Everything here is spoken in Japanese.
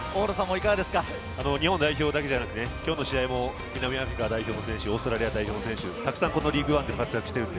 日本代表だけではなくて今日の試合も南アフリカ代表、オーストラリア代表、たくさんリーグワンで活躍しています。